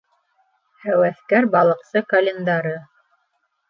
Һәүәҫкәр-балыҡсы календары